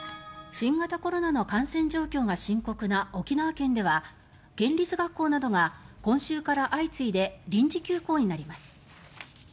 新型コロナの感染状況が深刻な沖縄では県立学校などが今週から相次いで臨時休校になります。